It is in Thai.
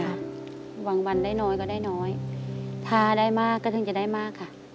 บางวันได้น้อยก็ได้น้อยถ้าได้มากก็ถึงจะได้มากค่ะ